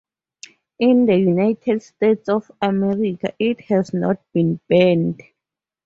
In the United States of America, it has not been banned.